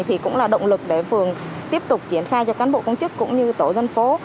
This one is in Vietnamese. thì cũng là động lực để phường tiếp tục triển khai cho cán bộ công chức cũng như tổ dân phố